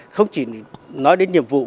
không chỉ nói đến nhiệm vụ